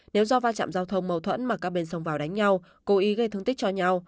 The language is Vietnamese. nếu do va chạm giao thông mâu thuẫn mà các bên xông vào đánh nhau cố ý gây thương tích cho nhau